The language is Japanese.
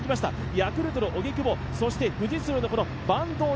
ヤクルトの荻久保富士通の坂東悠